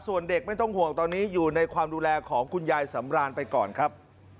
ส่วนเด็กไม่ต้องห่วงตอนนี้อยู่ในความดูแลของคุณยายสำรานไปก่อนครับ